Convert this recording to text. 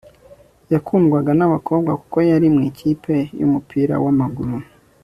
yakundwaga nabakobwa kuko yari mu ikipe yumupira wamaguru